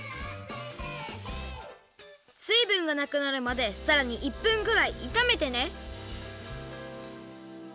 すいぶんがなくなるまでさらに１分ぐらいいためてね。